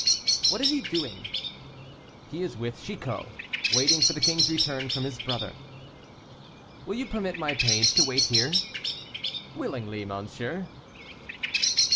"What is he doing?" "He is with Chicot, waiting for the king's return from his brother." "Will you permit my page to wait here?" "Willingly, monsieur."